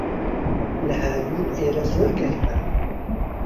لە ھاوین، ئێرە زۆر گەرمە.